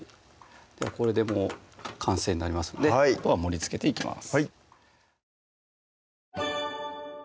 これでもう完成になりますのであとは盛りつけていきます